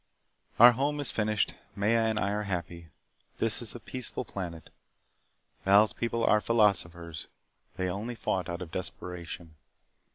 Our home is finished. Maya and I are happy. This is a peaceful planet. Val's people are philosophers. They only fought out of desperation.